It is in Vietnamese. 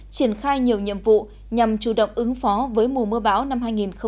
triển khai nhiều nhiệm vụ nhằm chủ động ứng phó với mùa mưa bão năm hai nghìn hai mươi